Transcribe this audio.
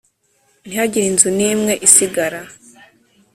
ntihagire inzu n’imwe isigara.